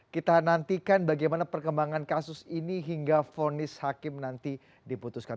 kita nantikan bagaimana perkembangan kasus ini hingga fonis hakim nanti diputuskan